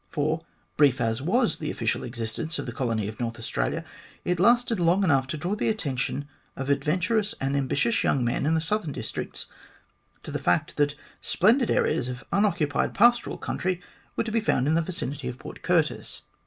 For, brief as was the official existence of the colony of North Australia, it lasted long enough to draw the attention of adventurous and ambitious young men in the southern districts to the fact that splendid areas of unoccupied pastoral country were to be found in the vicinity of Port Curtis.